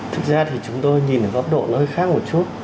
thực ra thì chúng tôi nhìn ở góc độ nơi khác một chút